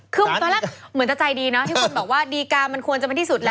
คือตอนแรกเหมือนจะใจดีนะที่คนบอกว่าดีการมันควรจะเป็นที่สุดแล้ว